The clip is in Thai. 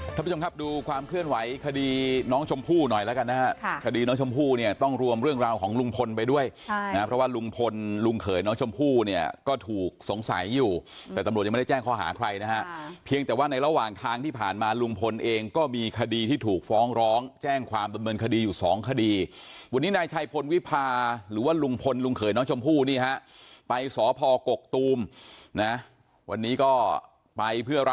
ท่านผู้ชมครับดูความเคลื่อนไหวคดีน้องชมพู่หน่อยแล้วกันนะครับค่ะคดีน้องชมพู่เนี่ยต้องรวมเรื่องราวของลุงพลไปด้วยใช่นะเพราะว่าลุงพลลุงเขยน้องชมพู่เนี่ยก็ถูกสงสัยอยู่แต่ตำรวจยังไม่ได้แจ้งข้อหาใครนะฮะเพียงแต่ว่าในระหว่างทางที่ผ่านมาลุงพลเองก็มีคดีที่ถูกฟ้องร้องแจ้งความประเมินคดีอย